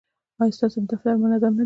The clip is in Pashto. ایا ستاسو دفتر منظم نه دی؟